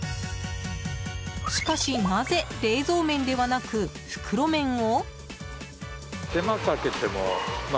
しかし、なぜ冷蔵麺ではなく袋麺を？